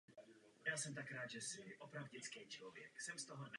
Nicméně toto jeho vítězžszví bylo krátkodobé.